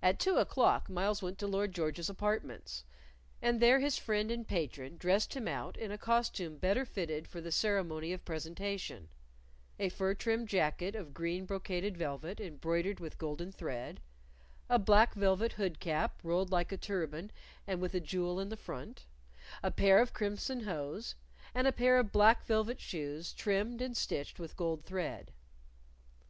At two o'clock Myles went to Lord George's apartments, and there his friend and patron dressed him out in a costume better fitted for the ceremony of presentation a fur trimmed jacket of green brocaded velvet embroidered with golden thread, a black velvet hood cap rolled like a turban and with a jewel in the front, a pair of crimson hose, and a pair of black velvet shoes trimmed and stitched with gold thread.